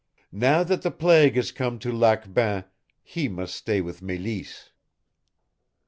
"Now that the plague has come to Lac Bain, he must stay with Mélisse."